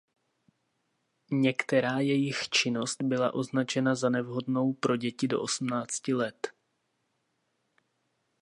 Některá jejich činnost byla označena za nevhodnou pro děti do osmnácti let.